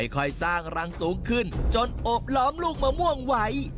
ค่อยสร้างรังสูงขึ้นจนอบล้อมลูกมะม่วงไว้